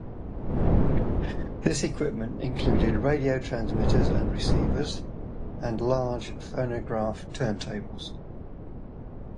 This equipment included radio transmitters and receivers and large phonograph turntables.